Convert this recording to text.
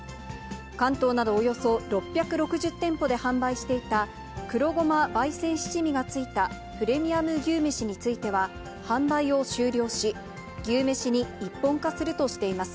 関東などおよそ６６０店舗で販売していた、黒胡麻焙煎七味がついたプレミアム牛めしについては、販売を終了し、牛めしに一本化するしています。